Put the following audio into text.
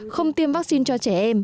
không tiêm vaccine cho trẻ em